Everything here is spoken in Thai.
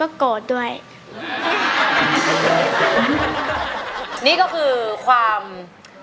คุณแม่รู้สึกยังไงในตัวของกุ้งอิงบ้าง